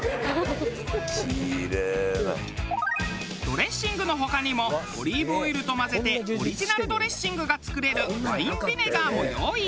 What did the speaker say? ドレッシングの他にもオリーブオイルと混ぜてオリジナルドレッシングが作れるワインビネガーも用意。